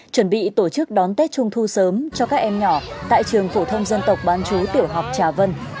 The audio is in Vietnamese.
chuẩn bị tổ chức đón tết trung thu sớm cho các em nhỏ tại trường phổ thông dân tộc bán chú tiểu học trà vân